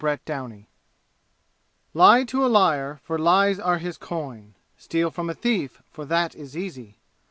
Chapter III Lie to a liar, for lies are his coin. Steal from a thief, for that is easy.